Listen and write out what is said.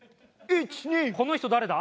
この人誰だ？